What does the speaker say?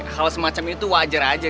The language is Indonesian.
hal semacam itu wajar aja